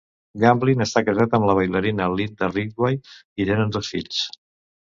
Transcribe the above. Gamblin està casat amb la ballarina Linda Ridgway i tenen dos fills.